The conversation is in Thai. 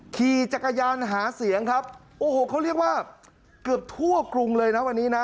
ขี่จักรยานหาเสียงครับโอ้โหเขาเรียกว่าเกือบทั่วกรุงเลยนะวันนี้นะ